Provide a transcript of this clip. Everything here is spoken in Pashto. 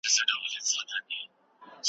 په پلي مزل کي ناسم فکرونه نه روزل کېږي.